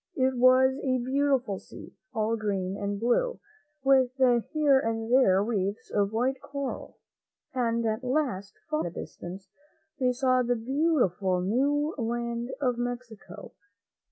It was a beautiful sea, all green and blue, with here and there reefs of white coral, and at last, far in the distance, they saw the beautiful new land of Mexico.